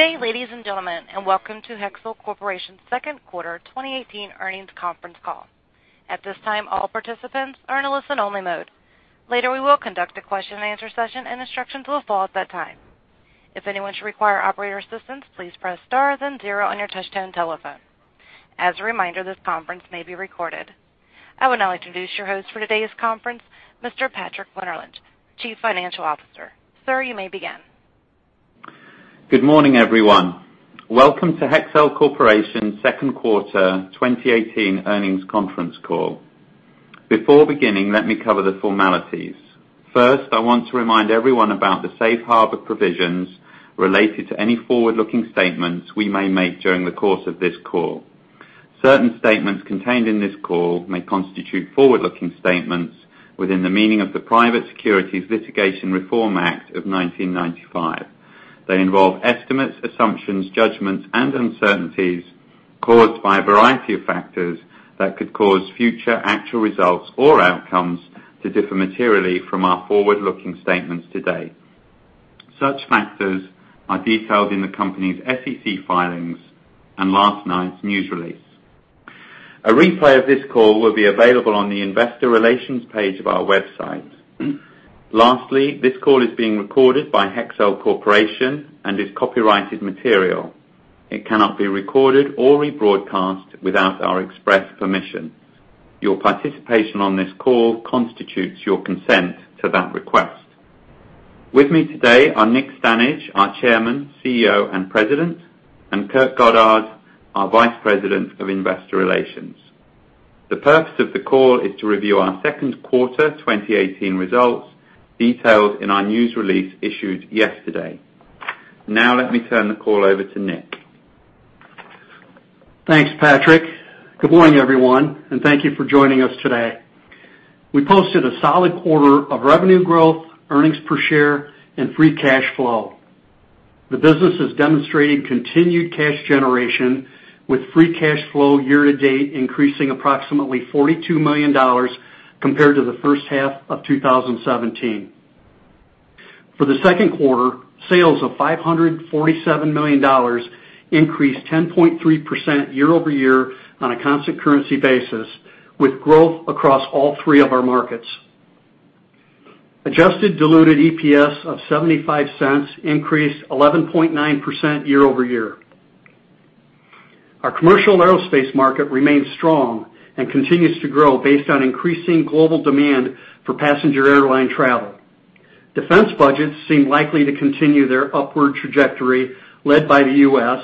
Good day, ladies and gentlemen, welcome to Hexcel Corporation's second quarter 2018 earnings conference call. At this time, all participants are in a listen-only mode. Later, we will conduct a question-and-answer session, and instructions will follow at that time. If anyone should require operator assistance, please press star then zero on your touchtone telephone. As a reminder, this conference may be recorded. I would now like to introduce your host for today's conference, Mr. Patrick Winterlich, Chief Financial Officer. Sir, you may begin. Good morning, everyone. Welcome to Hexcel Corporation's second quarter 2018 earnings conference call. Before beginning, let me cover the formalities. First, I want to remind everyone about the safe harbor provisions related to any forward-looking statements we may make during the course of this call. Certain statements contained in this call may constitute forward-looking statements within the meaning of the Private Securities Litigation Reform Act of 1995. They involve estimates, assumptions, judgments, and uncertainties caused by a variety of factors that could cause future actual results or outcomes to differ materially from our forward-looking statements today. Such factors are detailed in the company's SEC filings and last night's news release. A replay of this call will be available on the investor relations page of our website. Lastly, this call is being recorded by Hexcel Corporation and is copyrighted material. It cannot be recorded or rebroadcast without our express permission. Your participation on this call constitutes your consent to that request. With me today are Nick Stanage, our Chairman, CEO, and President, and Kurt Goddard, our Vice President of Investor Relations. The purpose of the call is to review our second quarter 2018 results, detailed in our news release issued yesterday. Let me turn the call over to Nick. Thanks, Patrick. Good morning, everyone, thank you for joining us today. We posted a solid quarter of revenue growth, earnings per share, and free cash flow. The business is demonstrating continued cash generation with free cash flow year to date increasing approximately $42 million compared to the first half of 2017. For the second quarter, sales of $547 million increased 10.3% year-over-year on a constant currency basis, with growth across all three of our markets. Adjusted diluted EPS of $0.75 increased 11.9% year-over-year. Our commercial aerospace market remains strong and continues to grow based on increasing global demand for passenger airline travel. Defense budgets seem likely to continue their upward trajectory led by the U.S.,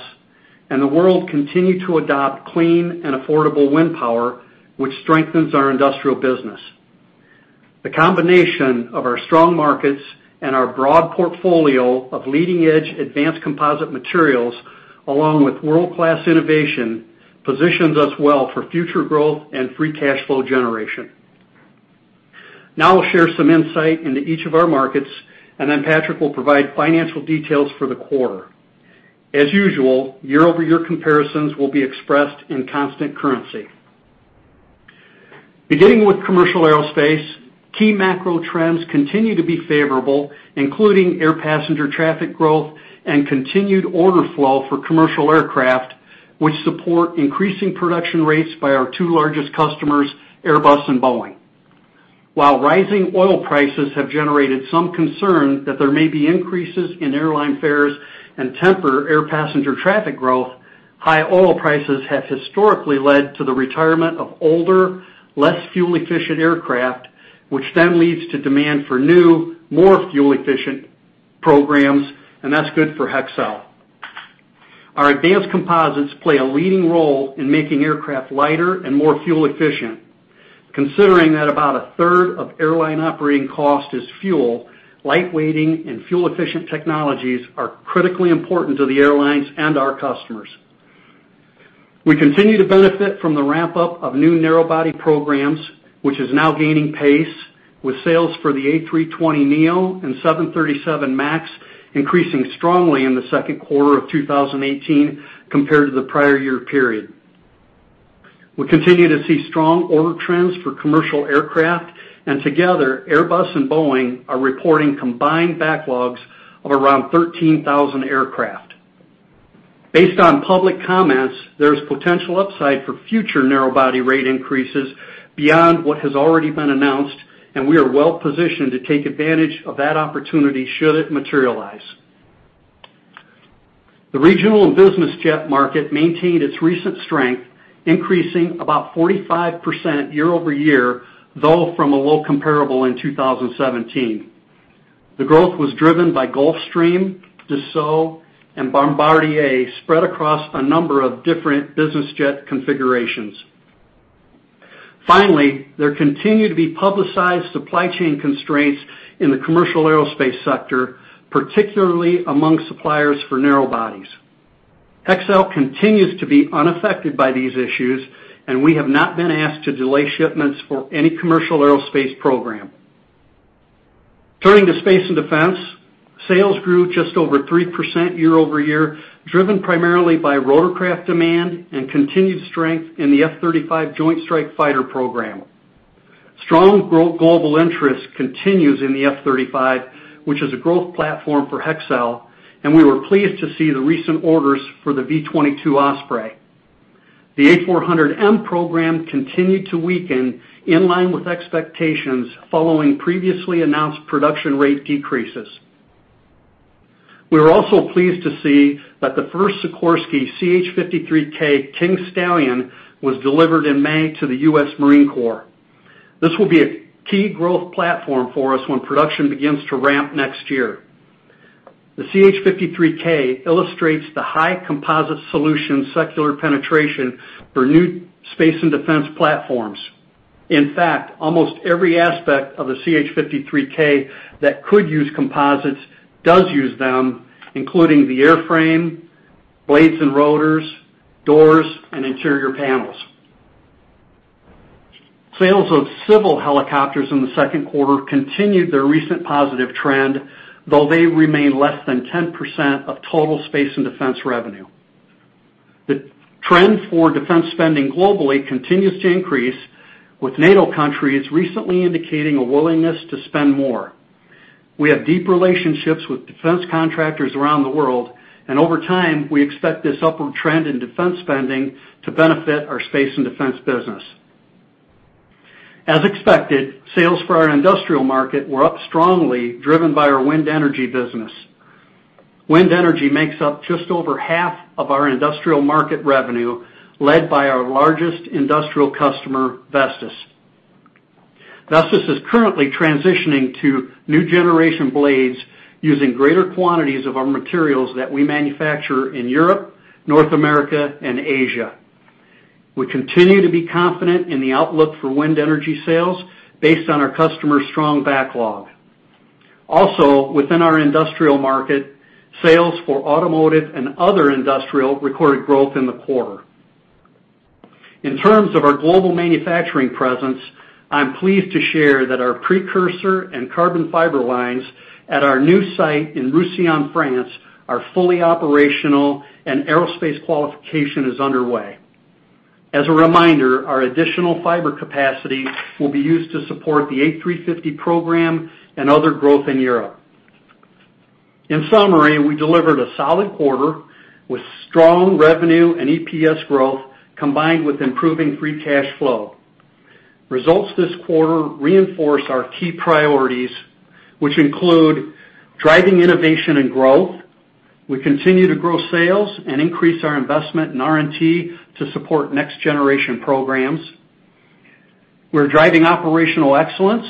and the world continued to adopt clean and affordable wind power, which strengthens our industrial business. The combination of our strong markets and our broad portfolio of leading-edge advanced composite materials, along with world-class innovation, positions us well for future growth and free cash flow generation. I'll share some insight into each of our markets, and then Patrick will provide financial details for the quarter. As usual, year-over-year comparisons will be expressed in constant currency. Beginning with commercial aerospace, key macro trends continue to be favorable, including air passenger traffic growth and continued order flow for commercial aircraft, which support increasing production rates by our two largest customers, Airbus and Boeing. While rising oil prices have generated some concern that there may be increases in airline fares and temper air passenger traffic growth, high oil prices have historically led to the retirement of older, less fuel-efficient aircraft, which then leads to demand for new, more fuel-efficient programs, that's good for Hexcel. Our advanced composites play a leading role in making aircraft lighter and more fuel efficient. Considering that about a third of airline operating cost is fuel, light weighting and fuel-efficient technologies are critically important to the airlines and our customers. We continue to benefit from the ramp-up of new narrow body programs, which is now gaining pace, with sales for the A320neo and 737 MAX increasing strongly in the second quarter of 2018 compared to the prior year period. Together, Airbus and Boeing are reporting combined backlogs of around 13,000 aircraft. Based on public comments, there's potential upside for future narrow body rate increases beyond what has already been announced, we are well positioned to take advantage of that opportunity should it materialize. The regional and business jet market maintained its recent strength, increasing about 45% year-over-year, though from a low comparable in 2017. The growth was driven by Gulfstream, Dassault, and Bombardier spread across a number of different business jet configurations. Finally, there continue to be publicized supply chain constraints in the commercial aerospace sector, particularly among suppliers for narrow bodies. Hexcel continues to be unaffected by these issues, we have not been asked to delay shipments for any commercial aerospace program. Turning to space and defense, sales grew just over 3% year-over-year, driven primarily by rotorcraft demand and continued strength in the F-35 Joint Strike Fighter program. Strong global interest continues in the F-35, which is a growth platform for Hexcel, we were pleased to see the recent orders for the V-22 Osprey. The A400M program continued to weaken in line with expectations following previously announced production rate decreases. We were also pleased to see that the first Sikorsky CH-53K King Stallion was delivered in May to the U.S. Marine Corps. This will be a key growth platform for us when production begins to ramp next year. The CH-53K illustrates the high composite solution secular penetration for new space and defense platforms. In fact, almost every aspect of the CH-53K that could use composites does use them, including the airframe, blades and rotors, doors, and interior panels. Sales of civil helicopters in the second quarter continued their recent positive trend, though they remain less than 10% of total space and defense revenue. The trend for defense spending globally continues to increase, with NATO countries recently indicating a willingness to spend more. We have deep relationships with defense contractors around the world. Over time, we expect this upward trend in defense spending to benefit our space and defense business. As expected, sales for our industrial market were up strongly, driven by our wind energy business. Wind energy makes up just over half of our industrial market revenue, led by our largest industrial customer, Vestas. Vestas is currently transitioning to new generation blades using greater quantities of our materials that we manufacture in Europe, North America, and Asia. We continue to be confident in the outlook for wind energy sales based on our customer's strong backlog. Within our industrial market, sales for automotive and other industrial recorded growth in the quarter. In terms of our global manufacturing presence, I'm pleased to share that our precursor and carbon fiber lines at our new site in Roussillon, France, are fully operational and aerospace qualification is underway. As a reminder, our additional fiber capacity will be used to support the A350 program and other growth in Europe. In summary, we delivered a solid quarter with strong revenue and EPS growth, combined with improving free cash flow. Results this quarter reinforce our key priorities, which include driving innovation and growth. We continue to grow sales and increase our investment in R&T to support next generation programs. We're driving operational excellence.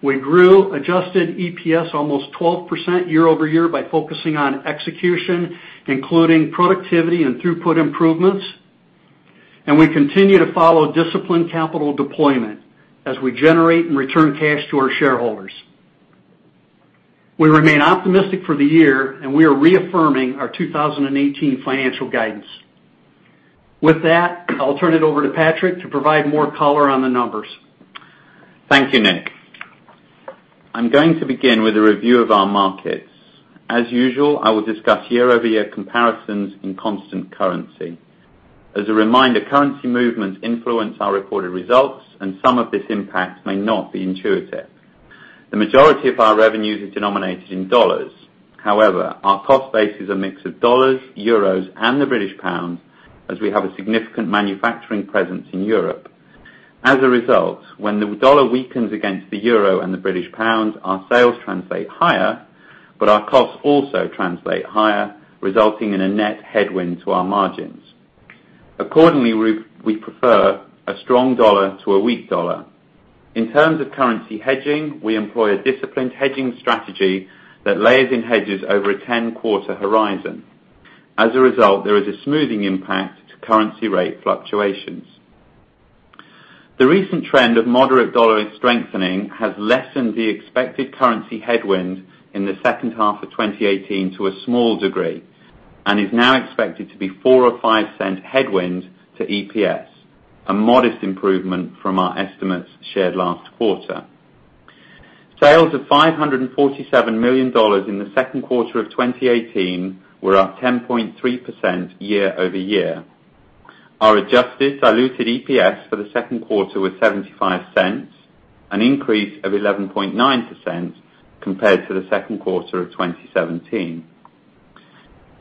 We grew adjusted EPS almost 12% year-over-year by focusing on execution, including productivity and throughput improvements. We continue to follow disciplined capital deployment as we generate and return cash to our shareholders. We remain optimistic for the year. We are reaffirming our 2018 financial guidance. With that, I'll turn it over to Patrick to provide more color on the numbers. Thank you, Nick. I'm going to begin with a review of our markets. As usual, I will discuss year-over-year comparisons in constant currency. As a reminder, currency movements influence our reported results. Some of this impact may not be intuitive. The majority of our revenues are denominated in dollars. However, our cost base is a mix of dollars, euros, and the British pound, as we have a significant manufacturing presence in Europe. As a result, when the dollar weakens against the euro and the British pound, our sales translate higher, but our costs also translate higher, resulting in a net headwind to our margins. Accordingly, we prefer a strong dollar to a weak dollar. In terms of currency hedging, we employ a disciplined hedging strategy that layers in hedges over a 10-quarter horizon. As a result, there is a smoothing impact to currency rate fluctuations. The recent trend of moderate dollar strengthening has lessened the expected currency headwind in the second half of 2018 to a small degree and is now expected to be a $0.04 or $0.05 headwind to EPS, a modest improvement from our estimates shared last quarter. Sales of $547 million in the second quarter of 2018 were up 10.3% year-over-year. Our adjusted diluted EPS for the second quarter was $0.75, an increase of 11.9% compared to the second quarter of 2017.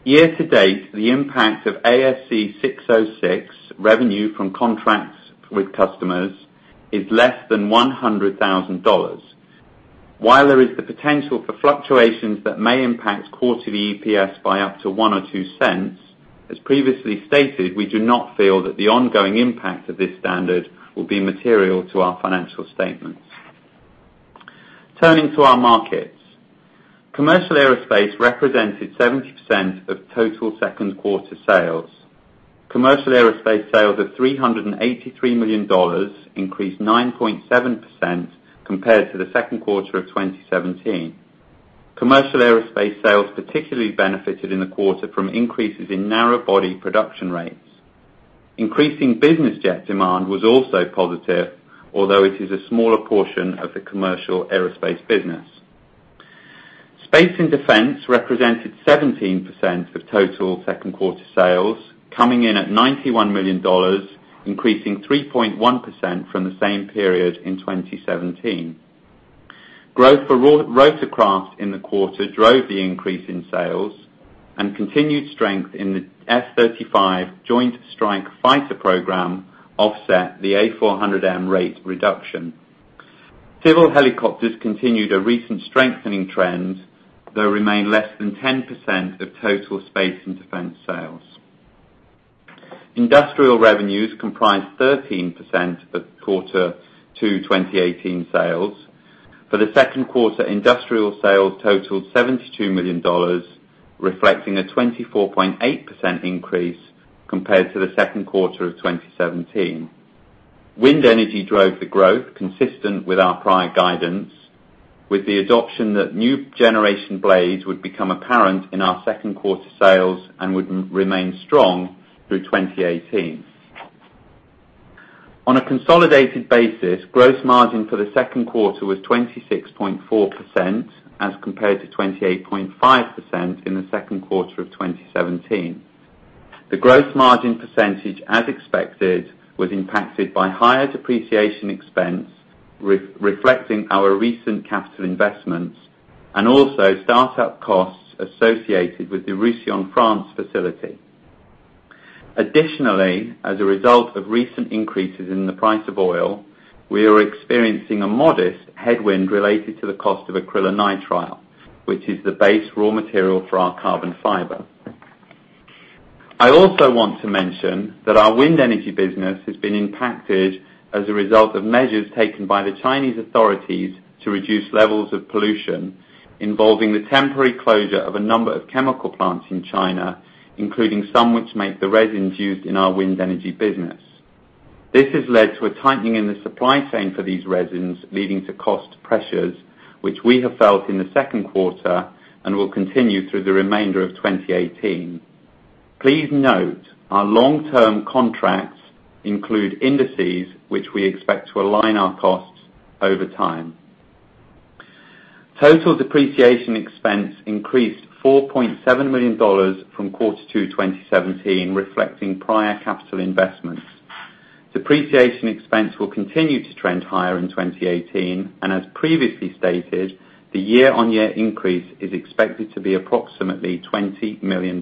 Year to date, the impact of ASC 606, revenue from contracts with customers, is less than $100,000. While there is the potential for fluctuations that may impact quarterly EPS by up to $0.01 or $0.02, as previously stated, we do not feel that the ongoing impact of this standard will be material to our financial statements. Turning to our markets. Commercial aerospace represented 70% of total second quarter sales. Commercial aerospace sales of $383 million increased 9.7% compared to the second quarter of 2017. Commercial aerospace sales particularly benefited in the quarter from increases in narrow-body production rates. Increasing business jet demand was also positive, although it is a smaller portion of the commercial aerospace business. Space and defense represented 17% of total second quarter sales, coming in at $91 million, increasing 3.1% from the same period in 2017. Growth for rotorcraft in the quarter drove the increase in sales, and continued strength in the F-35 Joint Strike Fighter program offset the A400M rate reduction. Civil helicopters continued a recent strengthening trend, though remain less than 10% of total space and defense sales. Industrial revenues comprised 13% of quarter two 2018 sales. For the second quarter, industrial sales totaled $72 million, reflecting a 24.8% increase compared to the second quarter of 2017. Wind energy drove the growth consistent with our prior guidance, with the adoption that new generation blades would become apparent in our second quarter sales and would remain strong through 2018. On a consolidated basis, gross margin for the second quarter was 26.4%, as compared to 28.5% in the second quarter of 2017. The gross margin percentage, as expected, was impacted by higher depreciation expense reflecting our recent capital investments and also start-up costs associated with the Roussillon, France facility. Additionally, as a result of recent increases in the price of oil, we are experiencing a modest headwind related to the cost of acrylonitrile, which is the base raw material for our carbon fiber. I also want to mention that our wind energy business has been impacted as a result of measures taken by the Chinese authorities to reduce levels of pollution, involving the temporary closure of a number of chemical plants in China, including some which make the resins used in our wind energy business. This has led to a tightening in the supply chain for these resins, leading to cost pressures, which we have felt in the second quarter and will continue through the remainder of 2018. Please note our long-term contracts include indices which we expect to align our costs over time. Total depreciation expense increased $4.7 million from quarter two 2017, reflecting prior capital investments. Depreciation expense will continue to trend higher in 2018, and as previously stated, the year-on-year increase is expected to be approximately $20 million.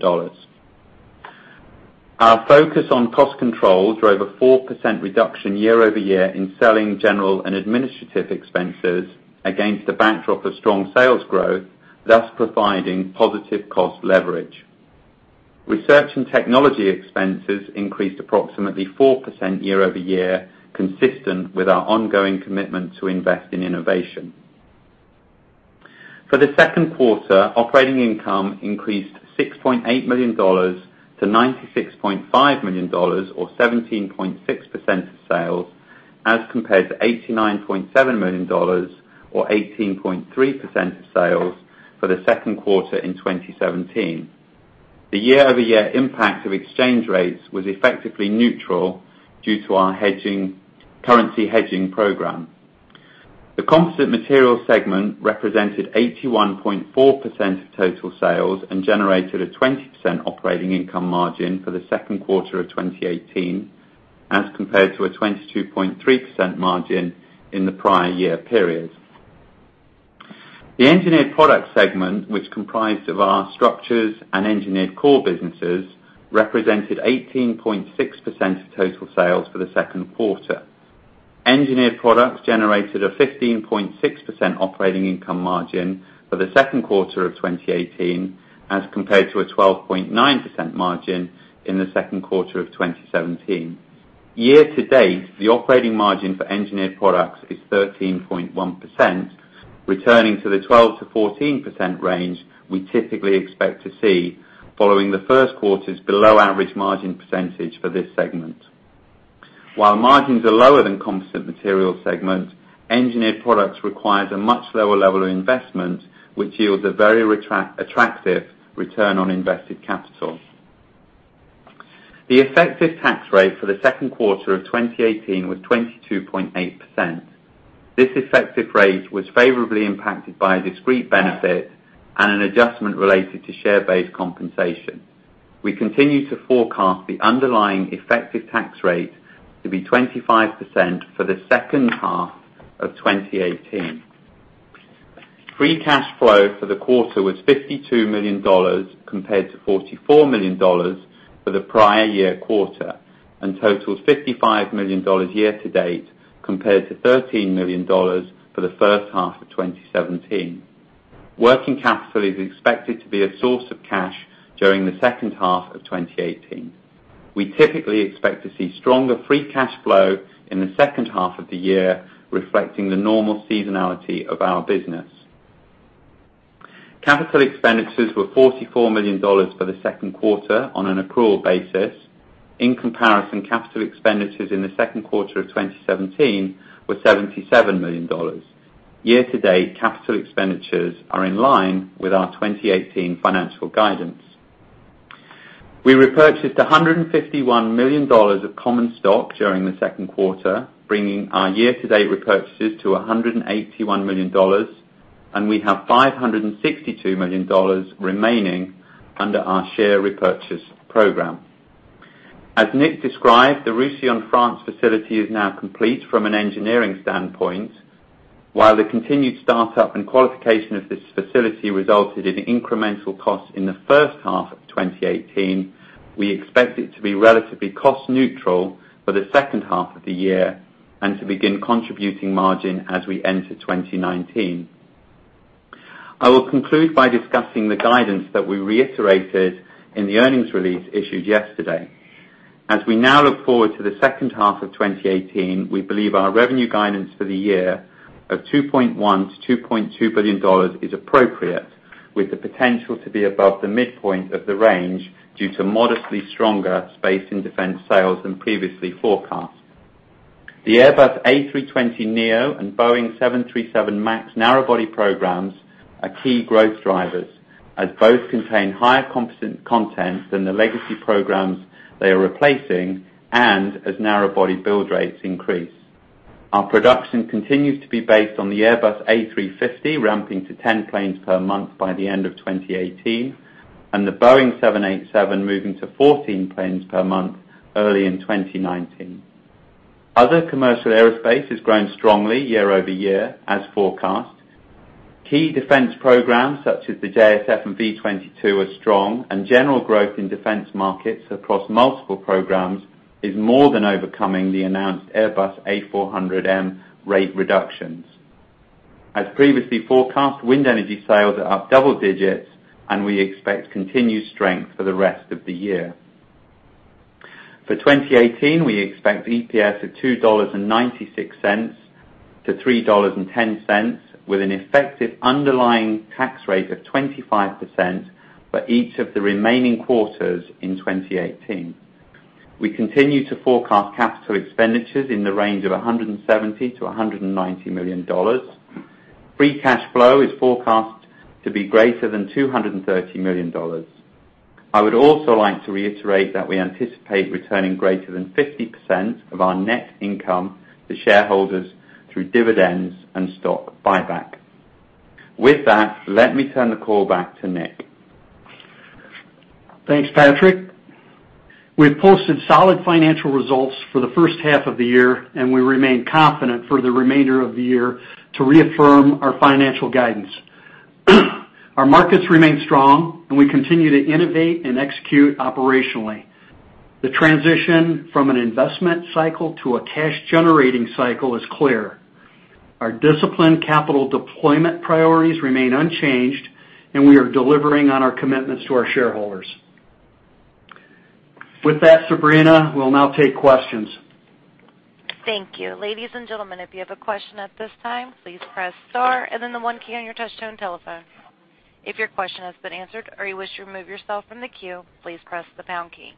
Our focus on cost controls drove a 4% reduction year-over-year in selling general and administrative expenses against the backdrop of strong sales growth, thus providing positive cost leverage. Research and technology expenses increased approximately 4% year-over-year, consistent with our ongoing commitment to invest in innovation. For the second quarter, operating income increased $6.8 million to $96.5 million or 17.6% of sales, as compared to $89.7 million or 18.3% of sales for the second quarter in 2017. The year-over-year impact of exchange rates was effectively neutral due to our currency hedging program. The Composite Materials segment represented 81.4% of total sales and generated a 20% operating income margin for the second quarter of 2018 as compared to a 22.3% margin in the prior year period. The Engineered Products segment, which comprised of our structures and engineered core businesses, represented 18.6% of total sales for the second quarter. Engineered Products generated a 15.6% operating income margin for the second quarter of 2018 as compared to a 12.9% margin in the second quarter of 2017. Year-to-date, the operating margin for Engineered Products is 13.1%, returning to the 12%-14% range we typically expect to see following the first quarter's below-average margin percentage for this segment. While margins are lower than Composite Materials segment, Engineered Products requires a much lower level of investment, which yields a very attractive return on invested capital. The effective tax rate for the second quarter of 2018 was 22.8%. This effective rate was favorably impacted by a discrete benefit and an adjustment related to share-based compensation. We continue to forecast the underlying effective tax rate to be 25% for the second half of 2018. Free cash flow for the quarter was $52 million, compared to $44 million for the prior year quarter, and totals $55 million year-to-date, compared to $13 million for the first half of 2017. Working capital is expected to be a source of cash during the second half of 2018. We typically expect to see stronger free cash flow in the second half of the year, reflecting the normal seasonality of our business. Capital expenditures were $44 million for the second quarter on an accrual basis. In comparison, capital expenditures in the second quarter of 2017 were $77 million. Year-to-date, capital expenditures are in line with our 2018 financial guidance. We repurchased $151 million of common stock during the second quarter, bringing our year-to-date repurchases to $181 million, and we have $562 million remaining under our share repurchase program. As Nick described, the Roussillon, France facility is now complete from an engineering standpoint. While the continued startup and qualification of this facility resulted in incremental costs in the first half of 2018, we expect it to be relatively cost neutral for the second half of the year and to begin contributing margin as we enter 2019. I will conclude by discussing the guidance that we reiterated in the earnings release issued yesterday. As we now look forward to the second half of 2018, we believe our revenue guidance for the year of $2.1 billion-$2.2 billion is appropriate, with the potential to be above the midpoint of the range due to modestly stronger space and defense sales than previously forecast. The Airbus A320neo and Boeing 737 MAX narrow body programs are key growth drivers, as both contain higher composite content than the legacy programs they are replacing, as narrow body build rates increase. Our production continues to be based on the Airbus A350 ramping to 10 planes per month by the end of 2018, and the Boeing 787 moving to 14 planes per month early in 2019. Other commercial aerospace has grown strongly year-over-year as forecast. Key defense programs such as the JSF and V-22 are strong, and general growth in defense markets across multiple programs is more than overcoming the announced Airbus A400M rate reductions. As previously forecast, wind energy sales are up double digits, and we expect continued strength for the rest of the year. For 2018, we expect EPS of $2.96-$3.10, with an effective underlying tax rate of 25% for each of the remaining quarters in 2018. We continue to forecast capital expenditures in the range of $170 million-$190 million. Free cash flow is forecast to be greater than $230 million. I would also like to reiterate that we anticipate returning greater than 50% of our net income to shareholders through dividends and stock buyback. With that, let me turn the call back to Nick. Thanks, Patrick. We've posted solid financial results for the first half of the year. We remain confident for the remainder of the year to reaffirm our financial guidance. Our markets remain strong. We continue to innovate and execute operationally. The transition from an investment cycle to a cash-generating cycle is clear. Our disciplined capital deployment priorities remain unchanged. We are delivering on our commitments to our shareholders. With that, Sabrina, we'll now take questions. Thank you. Ladies and gentlemen, if you have a question at this time, please press star then the one key on your touchtone telephone. If your question has been answered or you wish to remove yourself from the queue, please press the pound key.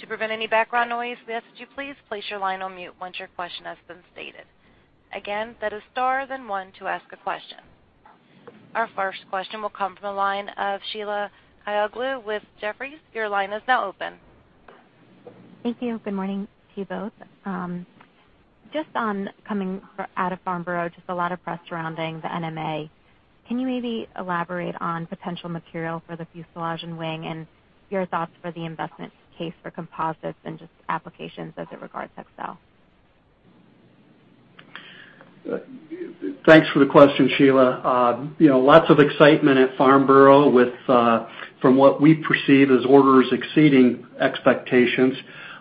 To prevent any background noise, we ask that you please place your line on mute once your question has been stated. Again, that is star then one to ask a question. Our first question will come from the line of Sheila Kahyaoglu with Jefferies. Your line is now open. Thank you. Good morning to you both. Coming out of Farnborough, a lot of press surrounding the NMA. Can you maybe elaborate on potential material for the fuselage and wing and your thoughts for the investment case for composites and applications as it regards Hexcel? Thanks for the question, Sheila. Lots of excitement at Farnborough from what we perceive as orders exceeding expectations.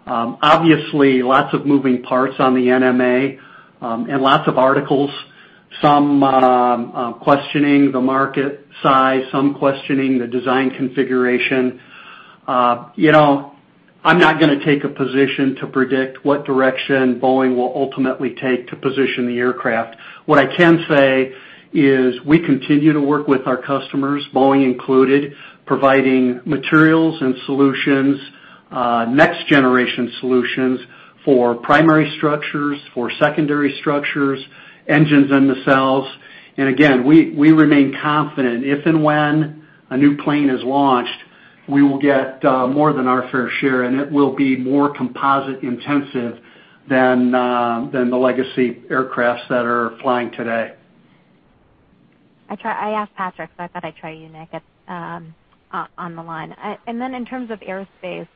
Obviously, lots of moving parts on the NMA, lots of articles, some questioning the market size, some questioning the design configuration. I'm not going to take a position to predict what direction Boeing will ultimately take to position the aircraft. What I can say is we continue to work with our customers, Boeing included, providing materials and solutions, next generation solutions for primary structures, for secondary structures, engines, and nacelles. Again, we remain confident if and when a new plane is launched, we will get more than our fair share, and it will be more composite-intensive than the legacy aircraft that are flying today. I asked Patrick, I thought I'd try you, Nick, on the line. In terms of aerospace,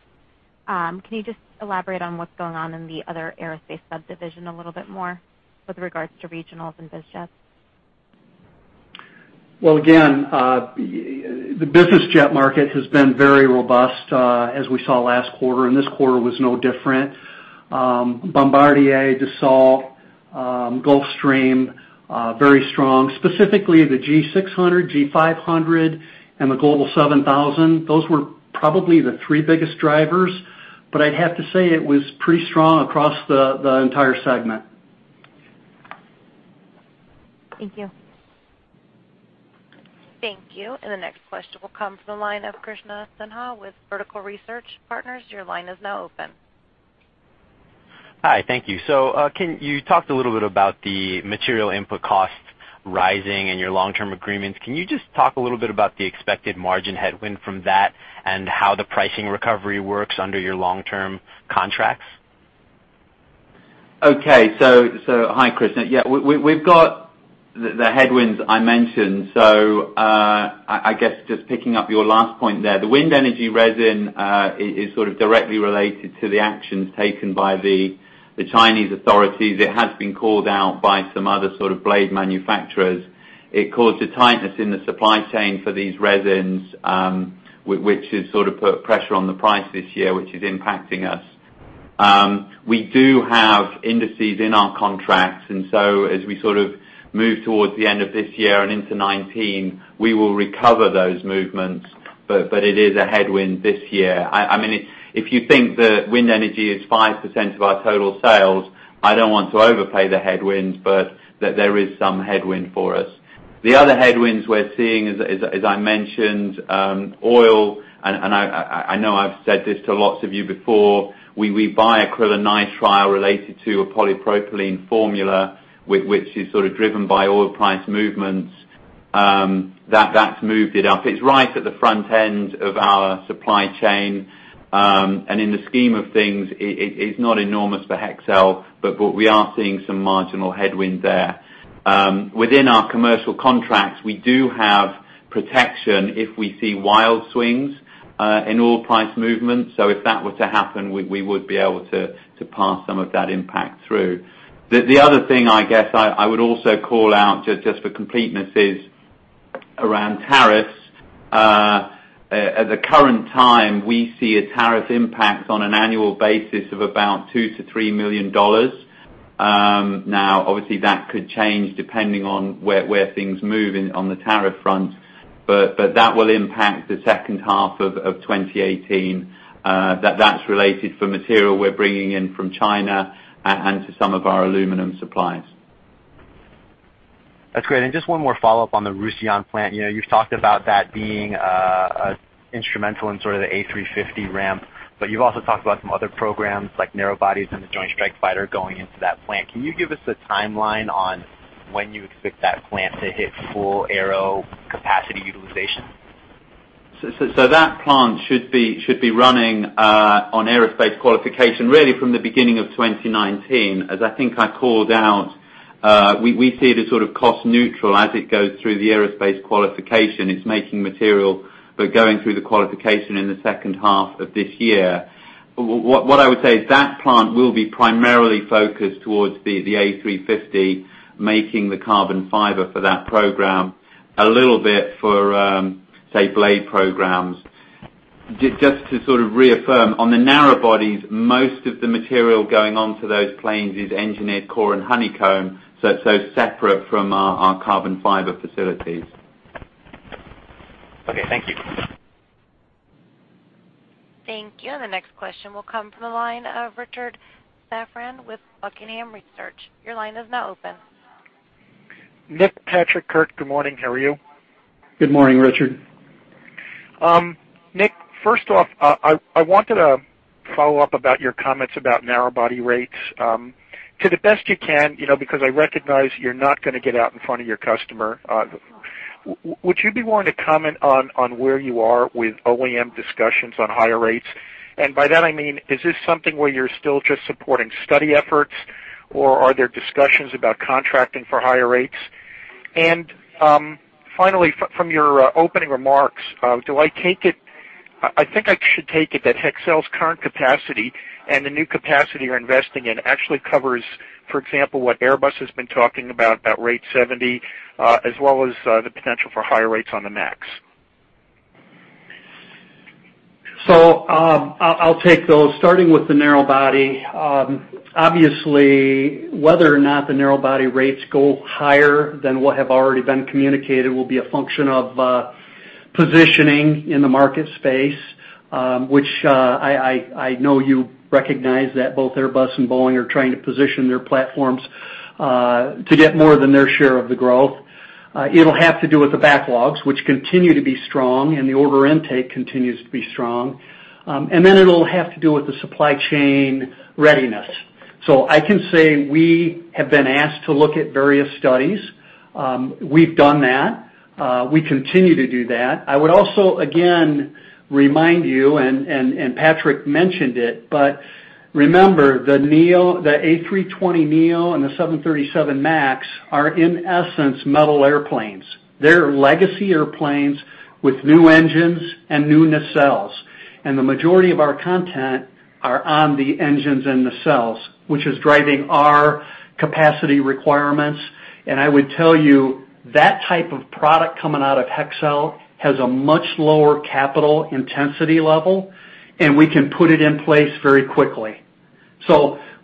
can you just elaborate on what's going on in the other aerospace subdivision a little bit more with regards to regionals and biz jets? Again, the business jet market has been very robust, as we saw last quarter, this quarter was no different. Bombardier, Dassault, Gulfstream, very strong, specifically the G600, G500, and the Global 7000. Those were probably the three biggest drivers. I'd have to say it was pretty strong across the entire segment. Thank you. Thank you. The next question will come from the line of Krishna Sinha with Vertical Research Partners. Your line is now open. Hi, thank you. You talked a little bit about the material input cost rising and your long-term agreements. Can you just talk a little bit about the expected margin headwind from that and how the pricing recovery works under your long-term contracts? Okay. Hi, Krishna. Yeah, we've got the headwinds I mentioned. I guess just picking up your last point there, the wind energy resin is sort of directly related to the actions taken by the Chinese authorities. It has been called out by some other sort of blade manufacturers. It caused a tightness in the supply chain for these resins, which has sort of put pressure on the price this year, which is impacting us. We do have indices in our contracts, and so as we sort of move towards the end of this year and into 2019, we will recover those movements, but it is a headwind this year. If you think that wind energy is 5% of our total sales, I don't want to overplay the headwinds, but there is some headwind for us. The other headwinds we're seeing, as I mentioned, oil. I know I've said this to lots of you before, we buy acrylonitrile related to a propylene formula, which is sort of driven by oil price movements. That's moved it up. It's right at the front end of our supply chain. In the scheme of things, it's not enormous for Hexcel, but we are seeing some marginal headwind there. Within our commercial contracts, we do have protection if we see wild swings in oil price movements. If that were to happen, we would be able to pass some of that impact through. The other thing, I guess, I would also call out just for completeness is around tariffs. At the current time, we see a tariff impact on an annual basis of about $2 million-$3 million. Obviously that could change depending on where things move on the tariff front. That will impact the second half of 2018. That's related for material we're bringing in from China and to some of our aluminum suppliers. That's great. Just one more follow-up on the Roussillon plant. You've talked about that being instrumental in sort of the A350 ramp, but you've also talked about some other programs like narrow bodies and the Joint Strike Fighter going into that plant. Can you give us a timeline on when you expect that plant to hit full aero capacity utilization? That plant should be running on aerospace qualification really from the beginning of 2019. As I think I called out, we see it as sort of cost neutral as it goes through the aerospace qualification. It's making material, but going through the qualification in the second half of this year. What I would say is that plant will be primarily focused towards the A350, making the carbon fiber for that program, a little bit for say, blade programs. Just to sort of reaffirm, on the narrow bodies, most of the material going onto those planes is engineered core and honeycomb, so separate from our carbon fiber facilities. Okay, thank you. Thank you. The next question will come from the line of Richard Safran with Buckingham Research. Your line is now open. Nick, Patrick, Kurt, good morning. How are you? Good morning, Richard. Nick, first off, I wanted to follow up about your comments about narrow body rates. To the best you can, because I recognize you're not going to get out in front of your customer, would you be willing to comment on where you are with OEM discussions on higher rates? By that I mean, is this something where you're still just supporting study efforts, or are there discussions about contracting for higher rates? Finally, from your opening remarks, I think I should take it that Hexcel's current capacity and the new capacity you're investing in actually covers, for example, what Airbus has been talking about rate 70, as well as the potential for higher rates on the MAX. I'll take those. Starting with the narrow body, obviously whether or not the narrow body rates go higher than what have already been communicated will be a function of positioning in the market space, which I know you recognize that both Airbus and Boeing are trying to position their platforms to get more than their share of the growth. It'll have to do with the backlogs, which continue to be strong, and the order intake continues to be strong. Then it'll have to do with the supply chain readiness. I can say we have been asked to look at various studies. We've done that. We continue to do that. I would also, again, remind you, and Patrick mentioned it, but remember the A320neo and the 737 MAX are in essence metal airplanes. They're legacy airplanes with new engines and new nacelles. The majority of our content are on the engines and nacelles, which is driving our capacity requirements. I would tell you, that type of product coming out of Hexcel has a much lower capital intensity level, and we can put it in place very quickly.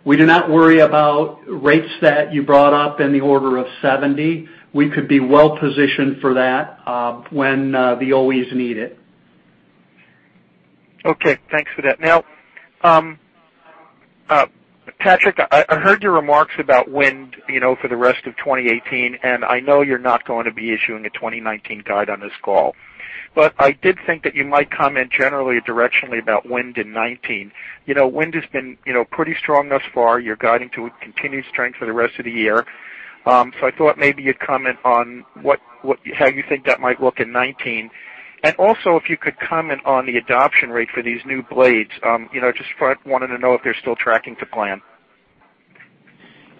We do not worry about rates that you brought up in the order of 70. We could be well positioned for that when the OEs need it. Okay, thanks for that. Patrick, I heard your remarks about wind for the rest of 2018, I know you're not going to be issuing a 2019 guide on this call. I did think that you might comment generally directionally about wind in 2019. Wind has been pretty strong thus far. You're guiding to continued strength for the rest of the year. I thought maybe you'd comment on how you think that might look in 2019, and also if you could comment on the adoption rate for these new blades. Just wanted to know if they're still tracking to plan.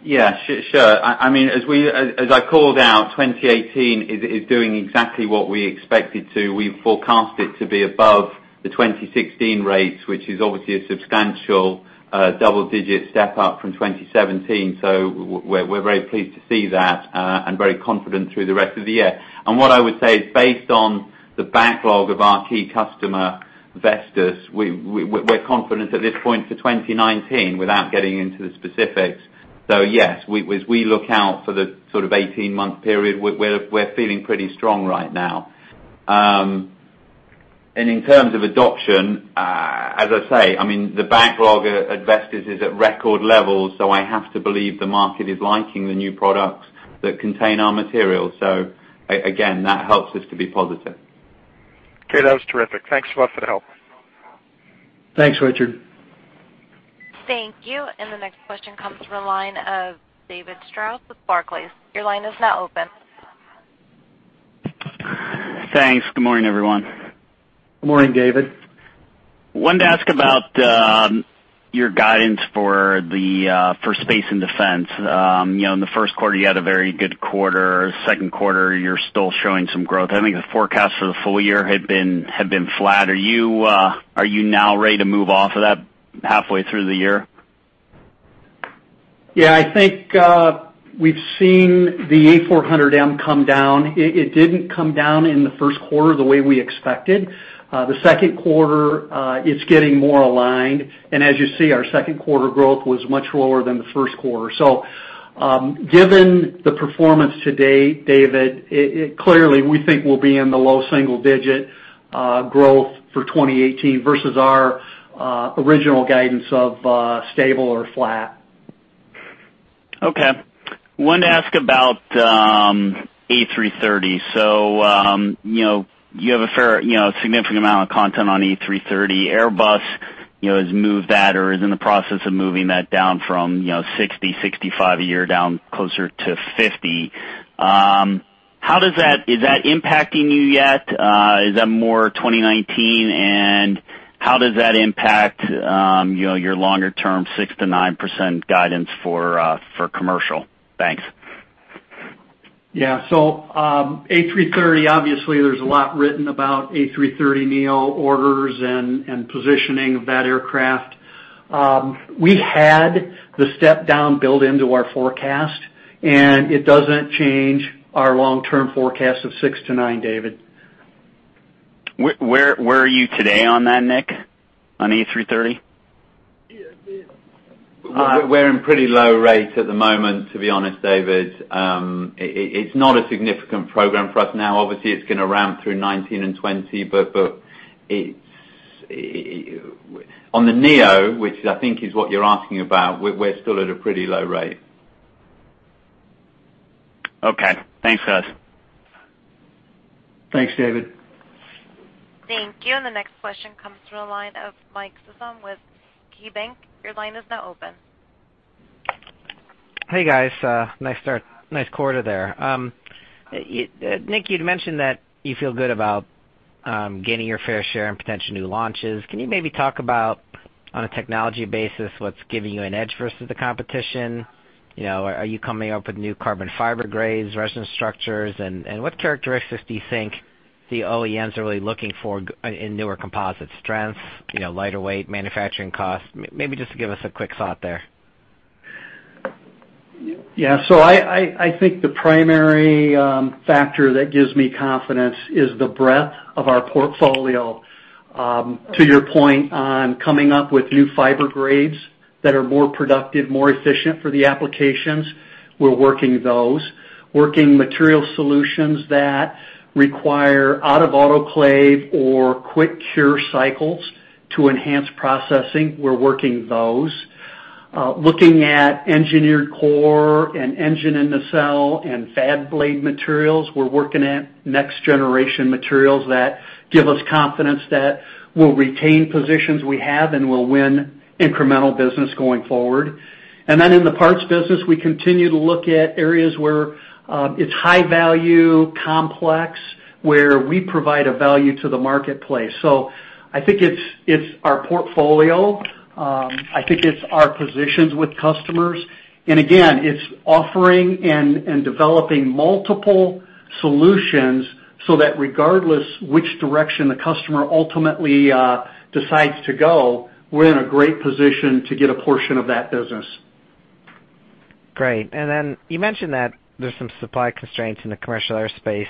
Yeah, sure. As I called out, 2018 is doing exactly what we expected to. We forecast it to be above the 2016 rates, which is obviously a substantial double-digit step up from 2017. We're very pleased to see that and very confident through the rest of the year. What I would say is based on the backlog of our key customer, Vestas, we're confident at this point for 2019, without getting into the specifics. Yes, as we look out for the sort of 18-month period, we're feeling pretty strong right now. In terms of adoption, as I say, the backlog at Vestas is at record levels, I have to believe the market is liking the new products that contain our materials. Again, that helps us to be positive. Okay. That was terrific. Thanks a lot for the help. Thanks, Richard. Thank you. The next question comes from the line of David Strauss with Barclays. Your line is now open. Thanks. Good morning, everyone. Good morning, David. Wanted to ask about your guidance for space and defense. In the first quarter, you had a very good quarter. Second quarter, you're still showing some growth. I think the forecast for the full year had been flat. Are you now ready to move off of that halfway through the year? Yeah. I think we've seen the A400M come down. It didn't come down in the first quarter the way we expected. The second quarter, it's getting more aligned. As you see, our second quarter growth was much lower than the first quarter. Given the performance to date, David, clearly we think we'll be in the low single digit growth for 2018 versus our original guidance of stable or flat. Okay. Wanted to ask about A330. You have a significant amount of content on A330. Airbus has moved that or is in the process of moving that down from 60, 65 a year down closer to 50. Is that impacting you yet? Is that more 2019, and how does that impact your longer term 6%-9% guidance for commercial? Thanks. Yeah. A330, obviously there's a lot written about A330neo orders and positioning of that aircraft. We had the step down built into our forecast, and it doesn't change our long-term forecast of 6%-9%, David. Where are you today on that, Nick, on A330? We're in pretty low rate at the moment, to be honest, David. It's not a significant program for us now. Obviously, it's going to ramp through 2019 and 2020, but on the neo, which I think is what you're asking about, we're still at a pretty low rate. Okay. Thanks, guys. Thanks, David. Thank you. The next question comes from the line of Mike Sison with KeyBank. Your line is now open. Hey, guys. Nice quarter there. Nick, you'd mentioned that you feel good about gaining your fair share in potential new launches. Can you maybe talk about, on a technology basis, what's giving you an edge versus the competition? Are you coming up with new carbon fiber grades, resin structures, and what characteristics do you think the OEMs are really looking for in newer composite strengths, lighter weight, manufacturing costs? Maybe just give us a quick thought there. Yeah. I think the primary factor that gives me confidence is the breadth of our portfolio. To your point on coming up with new fiber grades that are more productive, more efficient for the applications, we're working those. Working material solutions that require out of autoclave or quick cure cycles to enhance processing, we're working those. Looking at engineered core and engine nacelle and fan blade materials, we're working at next generation materials that give us confidence that we'll retain positions we have and we'll win incremental business going forward. In the parts business, we continue to look at areas where it's high value, complex, where we provide a value to the marketplace. I think it's our portfolio. I think it's our positions with customers. Again, it's offering and developing multiple solutions so that regardless which direction the customer ultimately decides to go, we're in a great position to get a portion of that business. Great. You mentioned that there's some supply constraints in the commercial aerospace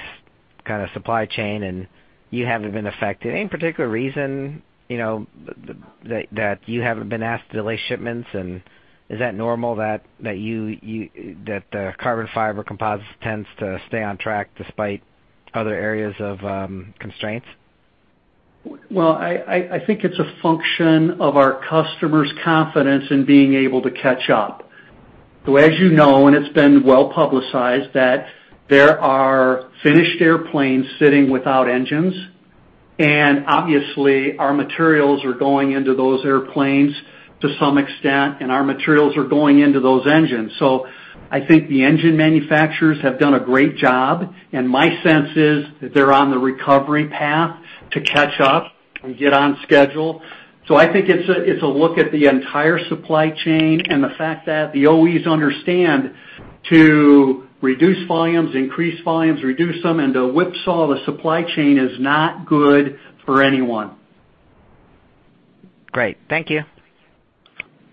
kind of supply chain, and you haven't been affected. Any particular reason that you haven't been asked to delay shipments, and is that normal that the carbon fiber composites tends to stay on track despite other areas of constraints? Well, I think it's a function of our customers' confidence in being able to catch up. As you know, and it's been well-publicized, that there are finished airplanes sitting without engines. Obviously, our materials are going into those airplanes to some extent, and our materials are going into those engines. I think the engine manufacturers have done a great job, and my sense is that they're on the recovery path to catch up and get on schedule. I think it's a look at the entire supply chain and the fact that the OEs understand to reduce volumes, increase volumes, reduce them, and to whipsaw the supply chain is not good for anyone. Great. Thank you.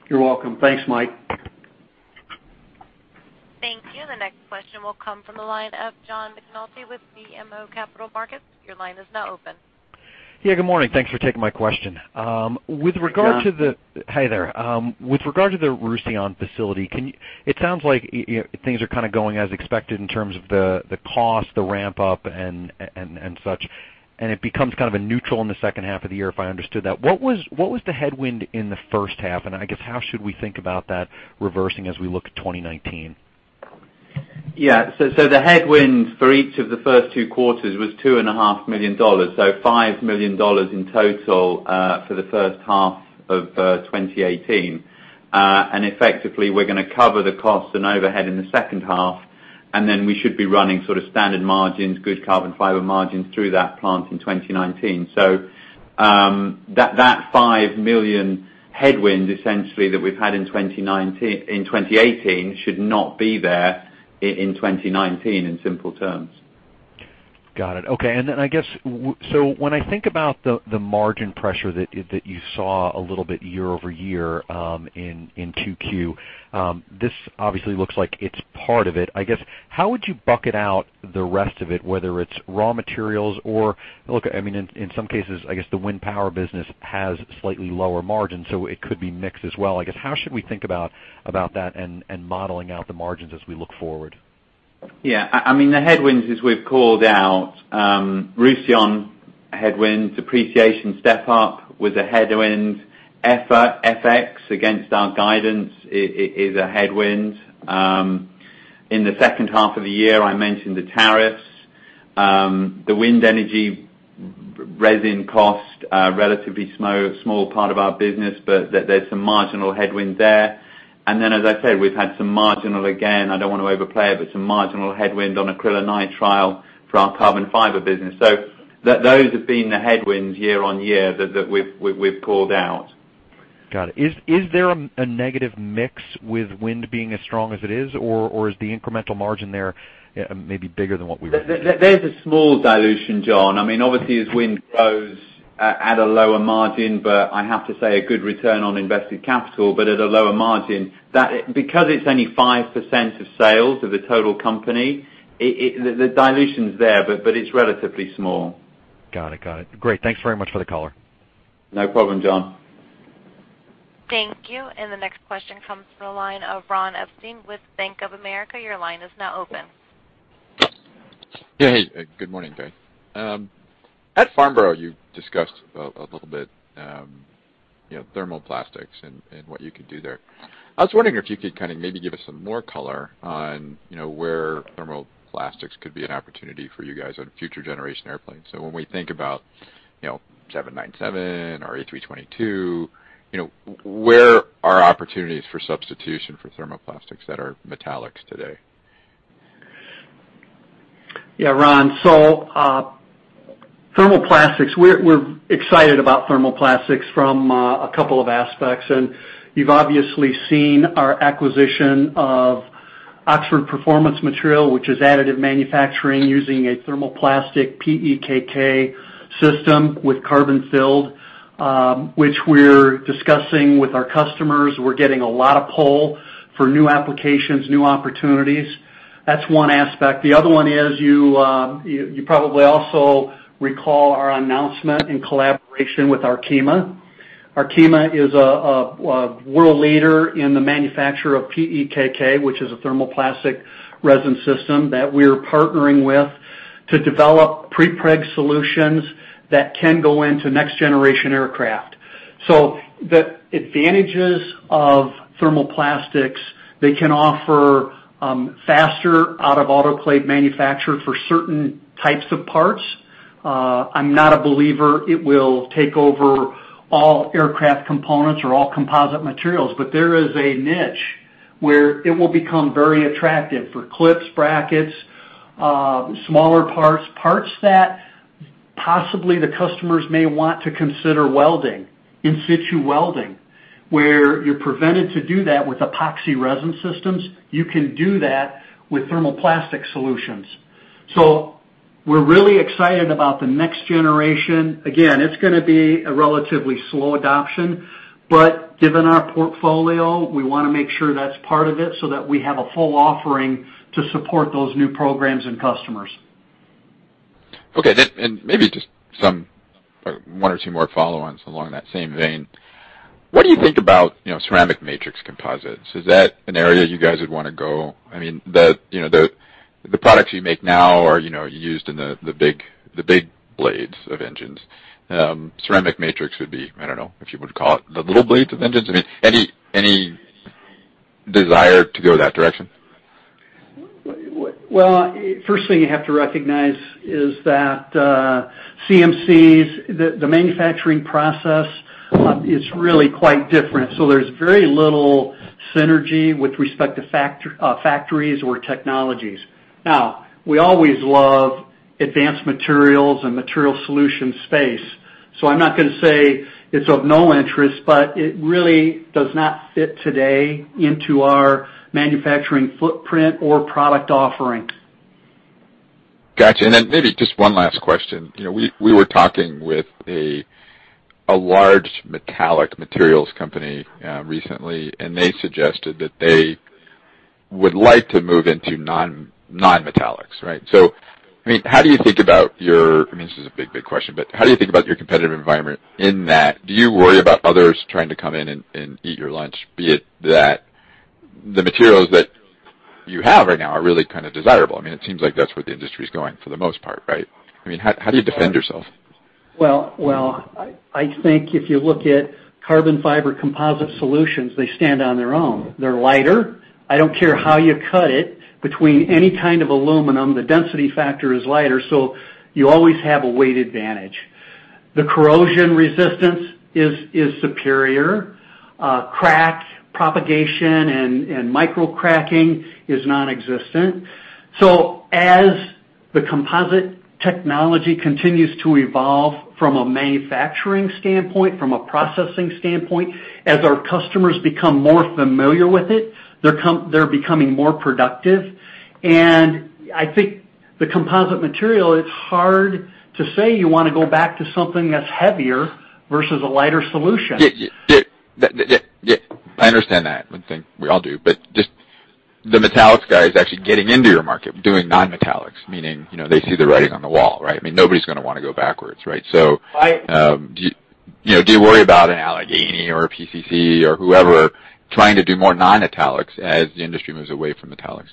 You're welcome. Thanks, Mike. Thank you. The next question will come from the line of John McNulty with BMO Capital Markets. Your line is now open. Yeah, good morning. Thanks for taking my question. John. Hey there. With regard to the Roussillon facility, it sounds like things are kind of going as expected in terms of the cost, the ramp up, and such, and it becomes kind of a neutral in the second half of the year, if I understood that. What was the headwind in the first half, and I guess how should we think about that reversing as we look to 2019? Yeah. The headwind for each of the first two quarters was $2.5 million. $5 million in total, for the first half of 2018. Effectively, we're going to cover the cost and overhead in the second half, and then we should be running sort of standard margins, good carbon fiber margins through that plant in 2019. That $5 million headwind essentially that we've had in 2018 should not be there in 2019, in simple terms. Got it. Okay. When I think about the margin pressure that you saw a little bit year-over-year, in 2Q, this obviously looks like it's part of it. I guess, how would you bucket out the rest of it, whether it's raw materials or look, in some cases, I guess the wind power business has slightly lower margins, so it could be mix as well. I guess, how should we think about that and modeling out the margins as we look forward? Yeah. The headwinds as we've called out, Roussillon headwinds, depreciation step-up was a headwind. FX against our guidance is a headwind. In the second half of the year, I mentioned the tariffs. The wind energy resin cost, a relatively small part of our business, but there's some marginal headwind there. As I said, we've had some marginal, again, I don't want to overplay it, but some marginal headwind on acrylonitrile for our carbon fiber business. Those have been the headwinds year-on-year that we've called out. Got it. Is there a negative mix with wind being as strong as it is, or is the incremental margin there maybe bigger than what we were- There's a small dilution, John. Obviously, as wind grows at a lower margin, but I have to say a good return on invested capital, but at a lower margin. It's only 5% of sales of the total company, the dilution's there, but it's relatively small. Got it. Great. Thanks very much for the color. No problem, John. Thank you. The next question comes from the line of Ron Epstein with Bank of America. Your line is now open. Hey, good morning, Jay. At Farnborough, you discussed a little bit thermoplastics and what you could do there. I was wondering if you could kind of maybe give us some more color on where thermoplastics could be an opportunity for you guys on future generation airplanes. When we think about 797 or A320, where are opportunities for substitution for thermoplastics that are metallics today? Ron. Thermoplastics, we're excited about thermoplastics from a couple of aspects. You've obviously seen our acquisition of Oxford Performance Materials, which is additive manufacturing using a thermoplastic PEKK system with carbon filled, which we're discussing with our customers. We're getting a lot of pull for new applications, new opportunities. That's one aspect. The other one is you probably also recall our announcement in collaboration with Arkema. Arkema is a world leader in the manufacture of PEKK, which is a thermoplastic resin system that we are partnering with to develop pre-preg solutions that can go into next generation aircraft. The advantages of thermoplastics, they can offer faster out-of-autoclave manufacture for certain types of parts. I'm not a believer it will take over all aircraft components or all composite materials. There is a niche where it will become very attractive for clips, brackets, smaller parts that possibly the customers may want to consider welding, in situ welding. Where you're prevented to do that with epoxy resin systems, you can do that with thermoplastic solutions. We're really excited about the next generation. Again, it's going to be a relatively slow adoption, but given our portfolio, we want to make sure that's part of it so that we have a full offering to support those new programs and customers. Okay. Maybe just one or two more follow-ons along that same vein. What do you think about ceramic matrix composites? Is that an area you guys would want to go? The products you make now are used in the big blades of engines. Ceramic matrix would be, I don't know if you would call it the little blades of engines. Any desire to go that direction? Well, first thing you have to recognize is that CMCs, the manufacturing process is really quite different. There's very little synergy with respect to factories or technologies. Now, we always love advanced materials and material solution space. I'm not going to say it's of no interest, but it really does not fit today into our manufacturing footprint or product offering. Got you. Then maybe just one last question. We were talking with a large metallic materials company recently, and they suggested that they would like to move into non-metallics. How do you think about your, this is a big question, but how do you think about your competitive environment in that? Do you worry about others trying to come in and eat your lunch, be it that the materials that you have right now are really kind of desirable. It seems like that's where the industry's going for the most part, right? How do you defend yourself? Well, I think if you look at carbon fiber composite solutions, they stand on their own. They're lighter. I don't care how you cut it, between any kind of aluminum, the density factor is lighter, you always have a weight advantage. The corrosion resistance is superior. Crack propagation and micro cracking is non-existent. As the composite technology continues to evolve from a manufacturing standpoint, from a processing standpoint, as our customers become more familiar with it, they're becoming more productive. I think the composite material, it's hard to say you want to go back to something that's heavier versus a lighter solution. I understand that. I think we all do. Just the metallics guys actually getting into your market, doing non-metallics, meaning, they see the writing on the wall, right? Nobody's going to want to go backwards, right? Right. Do you worry about an Allegheny or a PCC or whoever trying to do more non-metallics as the industry moves away from metallics?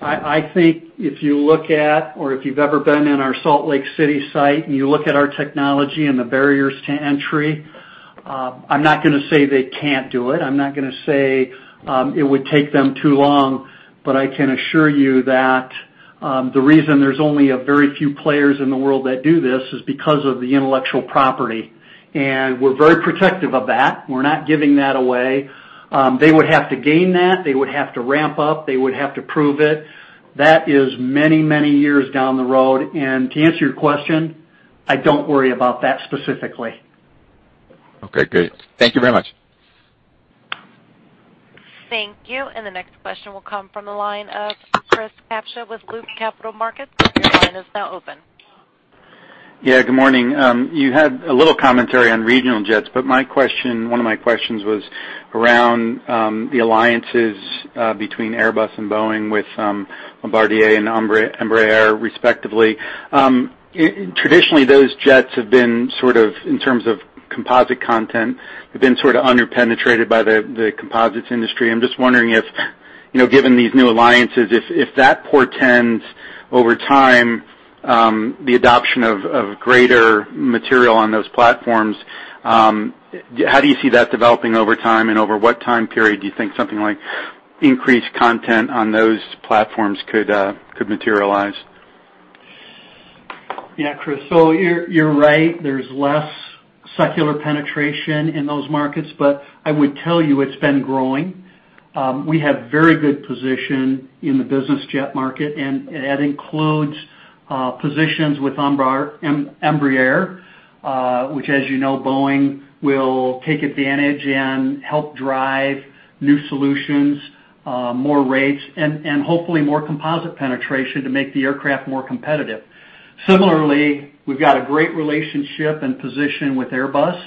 I think if you look at or if you've ever been in our Salt Lake City site and you look at our technology and the barriers to entry, I'm not going to say they can't do it. I'm not going to say it would take them too long, I can assure you that the reason there's only a very few players in the world that do this is because of the intellectual property, and we're very protective of that. We're not giving that away. They would have to gain that. They would have to ramp up. They would have to prove it. That is many, many years down the road. To answer your question, I don't worry about that specifically. Okay, great. Thank you very much. Thank you. The next question will come from the line of Chris Kapsch with Loop Capital Markets. Your line is now open. Yeah, good morning. You had a little commentary on regional jets, one of my questions was around the alliances between Airbus and Boeing with Bombardier and Embraer respectively. Traditionally, those jets have been sort of, in terms of composite content, have been sort of under-penetrated by the composites industry. I'm just wondering if, given these new alliances, if that portends over time, the adoption of greater material on those platforms. How do you see that developing over time, and over what time period do you think something like increased content on those platforms could materialize? Yeah, Chris. You're right. There's less secular penetration in those markets, I would tell you it's been growing. We have very good position in the business jet market, and that includes positions with Embraer, which as you know, Boeing will take advantage and help drive new solutions, more rates, and hopefully more composite penetration to make the aircraft more competitive. Similarly, we've got a great relationship and position with Airbus,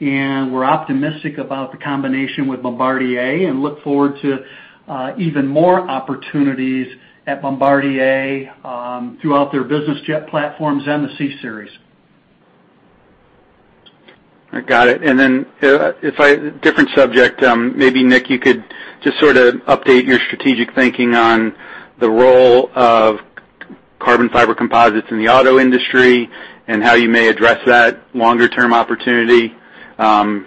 and we're optimistic about the combination with Bombardier and look forward to even more opportunities at Bombardier, throughout their business jet platforms and the C Series. I got it. Then, different subject. Maybe Nick, you could just sort of update your strategic thinking on the role of carbon fiber composites in the auto industry and how you may address that longer term opportunity, in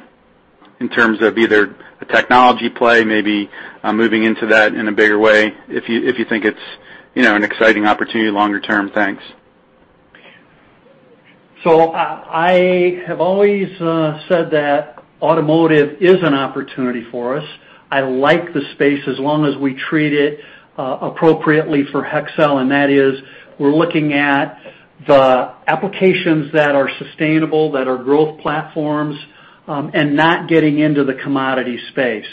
terms of either a technology play, maybe moving into that in a bigger way if you think it's an exciting opportunity longer term. Thanks. I have always said that automotive is an opportunity for us. I like the space as long as we treat it appropriately for Hexcel, and that is we're looking at the applications that are sustainable, that are growth platforms, and not getting into the commodity space.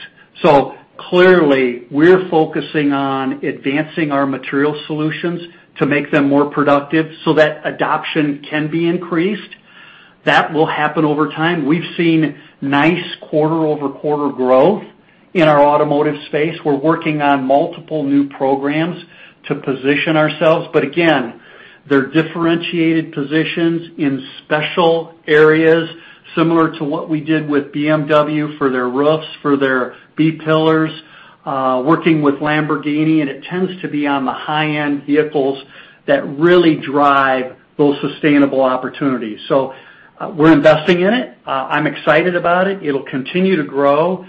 Clearly, we're focusing on advancing our material solutions to make them more productive so that adoption can be increased. That will happen over time. We've seen nice quarter-over-quarter growth in our automotive space. We're working on multiple new programs to position ourselves, but again. They're differentiated positions in special areas, similar to what we did with BMW for their roofs, for their B pillars, working with Lamborghini, and it tends to be on the high-end vehicles that really drive those sustainable opportunities. We're investing in it. I'm excited about it. It'll continue to grow.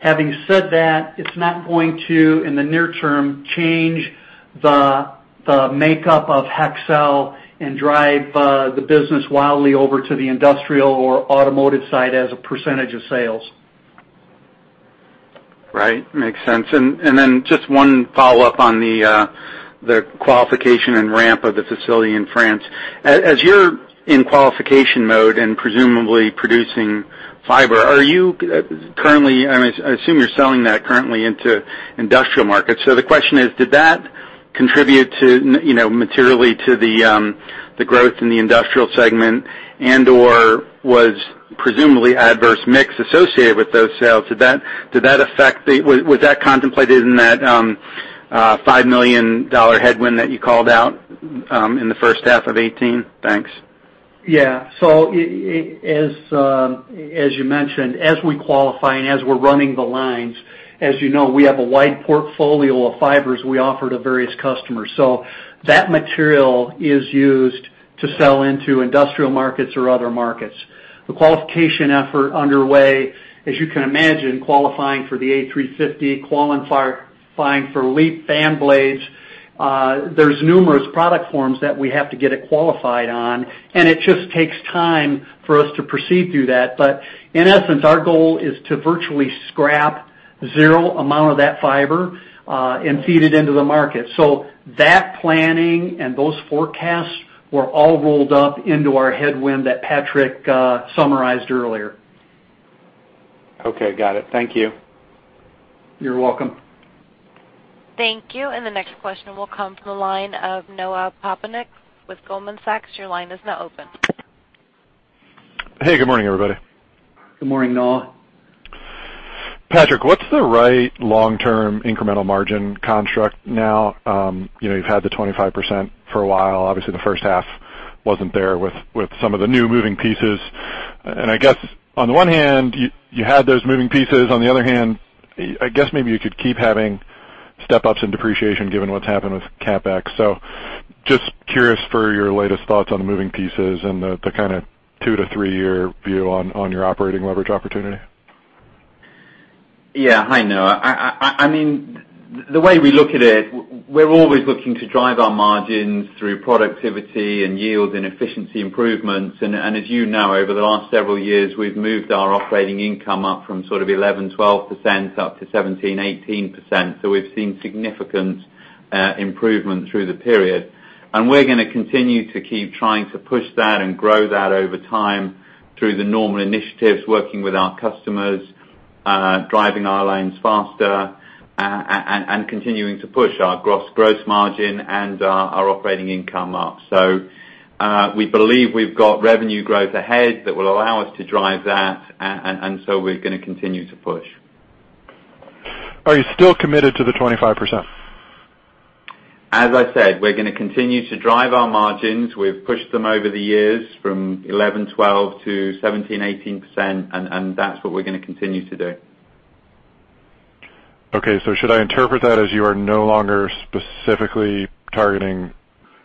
Having said that, it's not going to, in the near term, change the makeup of Hexcel and drive the business wildly over to the industrial or automotive side as a percentage of sales. Right. Makes sense. Then just one follow-up on the qualification and ramp of the facility in France. As you're in qualification mode and presumably producing fiber, I assume you're selling that currently into industrial markets. The question is, did that contribute materially to the growth in the industrial segment and/or was presumably adverse mix associated with those sales? Was that contemplated in that $5 million headwind that you called out in the first half of 2018? Thanks. Yeah. As you mentioned, as we qualify and as we're running the lines, as you know, we have a wide portfolio of fibers we offer to various customers. That material is used to sell into industrial markets or other markets. The qualification effort underway, as you can imagine, qualifying for the A350, qualifying for LEAP fan blades. There's numerous product forms that we have to get it qualified on, and it just takes time for us to proceed through that. In essence, our goal is to virtually scrap zero amount of that fiber and feed it into the market. That planning and those forecasts were all rolled up into our headwind that Patrick summarized earlier. Okay, got it. Thank you. You're welcome. Thank you. The next question will come from the line of Noah Poponak with Goldman Sachs. Your line is now open. Hey, good morning, everybody. Good morning, Noah. Patrick, what's the right long-term incremental margin construct now? You've had the 25% for a while. Obviously, the first half wasn't there with some of the new moving pieces. I guess on the one hand, you had those moving pieces. On the other hand, I guess maybe you could keep having step-ups in depreciation given what's happened with CapEx. Just curious for your latest thoughts on the moving pieces and the kind of two- to three-year view on your operating leverage opportunity. Yeah. Hi, Noah. The way we look at it, we're always looking to drive our margins through productivity and yield and efficiency improvements. As you know, over the last several years, we've moved our operating income up from sort of 11%, 12% up to 17%, 18%. We've seen significant improvement through the period. We're going to continue to keep trying to push that and grow that over time through the normal initiatives, working with our customers, driving our lines faster, and continuing to push our gross margin and our operating income up. We believe we've got revenue growth ahead that will allow us to drive that, we're going to continue to push. Are you still committed to the 25%? As I said, we're going to continue to drive our margins. We've pushed them over the years from 11%, 12% to 17%, 18%, that's what we're going to continue to do. Okay, should I interpret that as you are no longer specifically targeting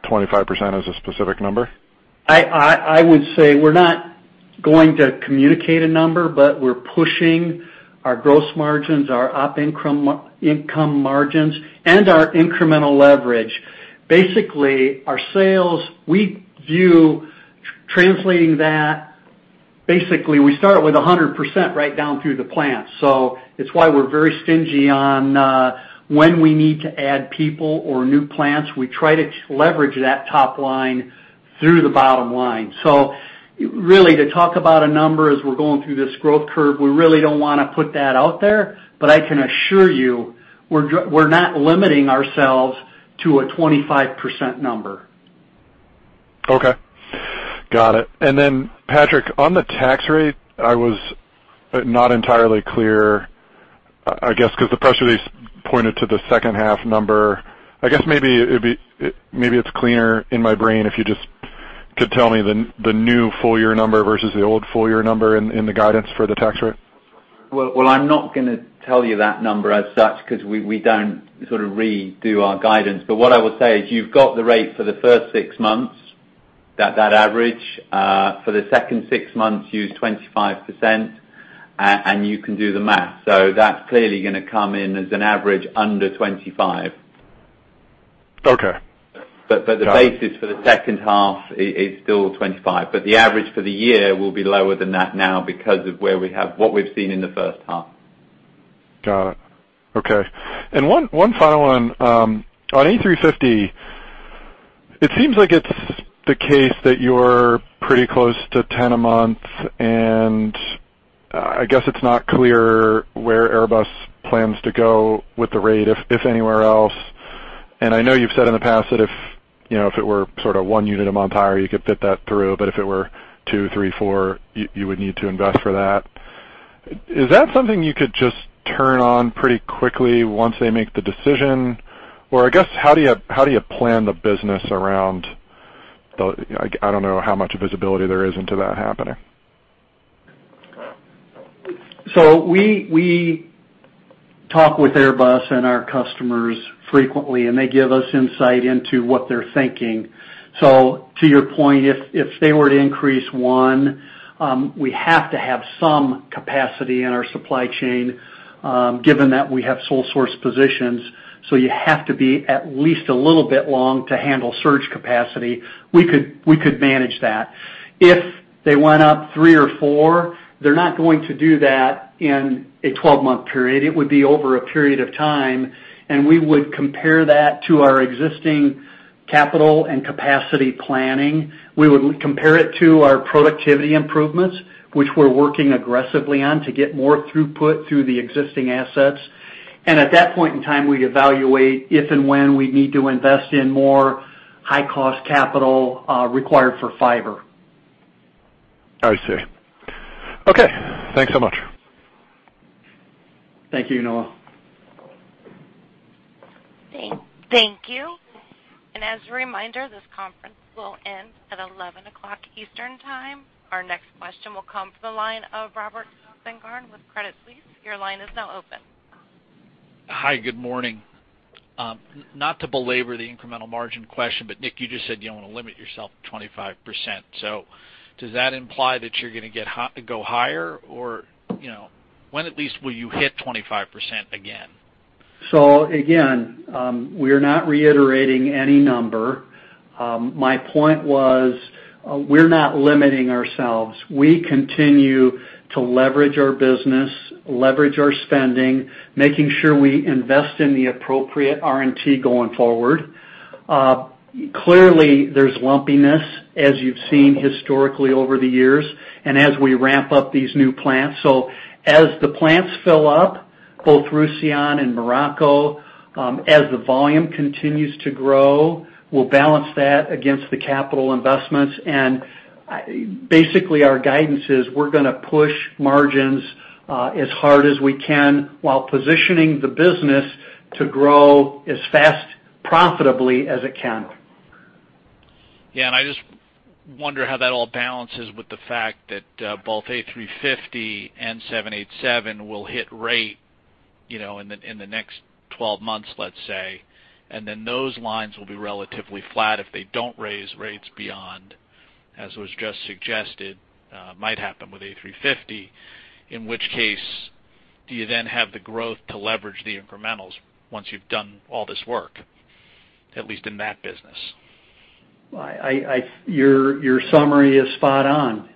25% as a specific number? I would say we're not going to communicate a number, but we're pushing our gross margins, our op income margins, and our incremental leverage. Basically, our sales, we view translating that. Basically, we start with 100% right down through the plant. It's why we're very stingy on when we need to add people or new plants. We try to leverage that top line through the bottom line. Really to talk about a number as we're going through this growth curve, we really don't want to put that out there, but I can assure you, we're not limiting ourselves to a 25% number. Okay. Got it. Then Patrick, on the tax rate, I was not entirely clear, I guess because the press release pointed to the second half number. I guess maybe it's cleaner in my brain if you just could tell me the new full-year number versus the old full-year number in the guidance for the tax rate. I'm not going to tell you that number as such because we don't sort of redo our guidance. What I will say is you've got the rate for the first six months, that average. For the second six months, use 25%, and you can do the math. That's clearly going to come in as an average under 25%. Okay. The basis for the second half is still 25%. The average for the year will be lower than that now because of what we've seen in the first half. Got it. Okay. One final one. On A350, it seems like it's the case that you're pretty close to 10 a month, I guess it's not clear where Airbus plans to go with the rate, if anywhere else. I know you've said in the past that if it were sort of one unit a month higher, you could fit that through, but if it were two, three, four, you would need to invest for that. Is that something you could just turn on pretty quickly once they make the decision? I guess, how do you plan the business around the I don't know how much visibility there is into that happening. We talk with Airbus and our customers frequently, and they give us insight into what they're thinking. To your point, if they were to increase one, we have to have some capacity in our supply chain, given that we have sole source positions. You have to be at least a little bit long to handle surge capacity. We could manage that. If they went up three or four, they're not going to do that in a 12-month period. It would be over a period of time, and we would compare that to our existing capital and capacity planning. We would compare it to our productivity improvements, which we're working aggressively on to get more throughput through the existing assets. At that point in time, we'd evaluate if and when we need to invest in more high-cost capital, required for fiber. I see. Okay. Thanks so much. Thank you, Noah. Thank you. As a reminder, this conference will end at 11:00 Eastern Time. Our next question will come from the line of Robert Spingarn with Credit Suisse. Your line is now open. Hi, good morning. Not to belabor the incremental margin question, Nick, you just said you don't want to limit yourself to 25%. Does that imply that you're going to go higher? Or when at least will you hit 25% again? Again, we are not reiterating any number. My point was, we're not limiting ourselves. We continue to leverage our business, leverage our spending, making sure we invest in the appropriate R&T going forward. Clearly, there's lumpiness, as you've seen historically over the years, and as we ramp up these new plants. As the plants fill up, both Roussillon and Morocco, as the volume continues to grow, we'll balance that against the capital investments. Basically, our guidance is we're going to push margins as hard as we can while positioning the business to grow as fast profitably as it can. I just wonder how that all balances with the fact that both A350 and 787 will hit rate in the next 12 months, let's say. Then those lines will be relatively flat if they don't raise rates beyond, as was just suggested, might happen with A350, in which case, do you then have the growth to leverage the incrementals once you've done all this work, at least in that business? Your summary is spot on.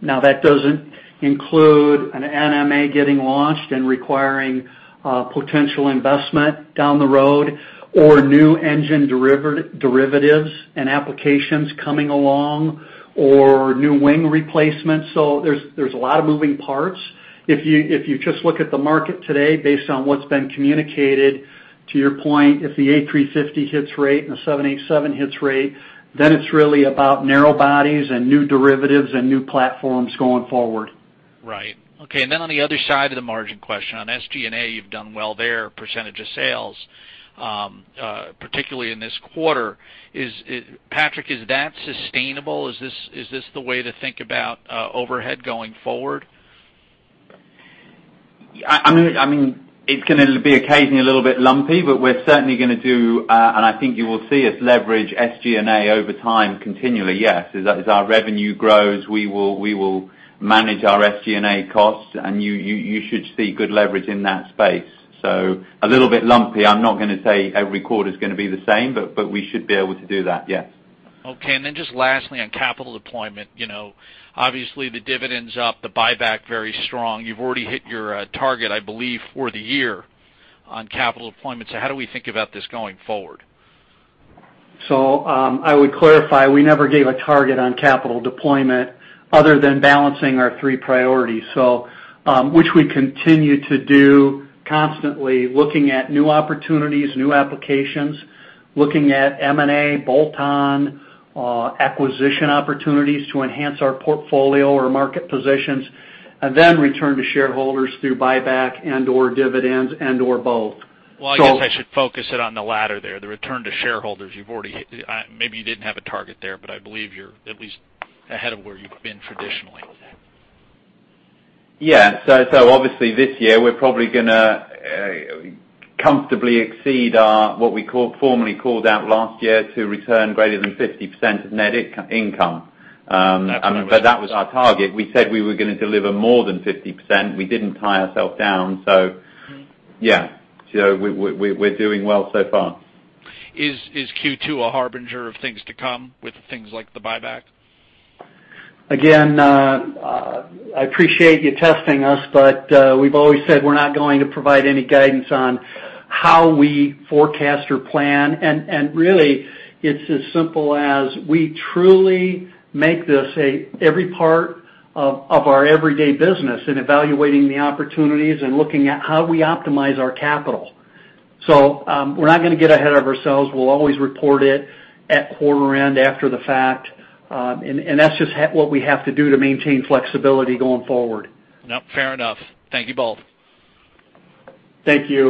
Now, that doesn't include an NMA getting launched and requiring potential investment down the road, or new engine derivatives and applications coming along, or new wing replacements. There's a lot of moving parts. If you just look at the market today, based on what's been communicated, to your point, if the A350 hits rate and the 787 hits rate, it's really about narrow bodies and new derivatives and new platforms going forward. Right. Okay. On the other side of the margin question, on SG&A, you've done well there, percentage of sales, particularly in this quarter. Patrick, is that sustainable? Is this the way to think about overhead going forward? It's going to be occasionally a little bit lumpy, but we're certainly going to do, and I think you will see us leverage SG&A over time continually, yes. As our revenue grows, we will manage our SG&A costs, and you should see good leverage in that space. A little bit lumpy. I'm not going to say every quarter is going to be the same, but we should be able to do that, yes. Okay, just lastly, on capital deployment. Obviously, the dividend's up, the buyback very strong. You've already hit your target, I believe, for the year on capital deployment. How do we think about this going forward? I would clarify, we never gave a target on capital deployment other than balancing our three priorities. Which we continue to do constantly, looking at new opportunities, new applications, looking at M&A, bolt-on acquisition opportunities to enhance our portfolio or market positions, and then return to shareholders through buyback and/or dividends and/or both. I guess I should focus it on the latter there, the return to shareholders. Maybe you didn't have a target there, but I believe you're at least ahead of where you've been traditionally. Yeah. Obviously this year, we're probably going to comfortably exceed what we formerly called out last year, to return greater than 50% of net income. Absolutely. That was our target. We said we were going to deliver more than 50%. We didn't tie ourself down. Yeah, we're doing well so far. Is Q2 a harbinger of things to come with things like the buyback? Again, I appreciate you testing us, we've always said we're not going to provide any guidance on how we forecast or plan. Really, it's as simple as we truly make this every part of our everyday business in evaluating the opportunities and looking at how we optimize our capital. We're not going to get ahead of ourselves. We'll always report it at quarter end after the fact. That's just what we have to do to maintain flexibility going forward. Nope. Fair enough. Thank you both. Thank you.